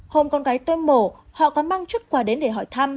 hôm con gái tôi mổ họ có mang chút quà đến để hỏi thăm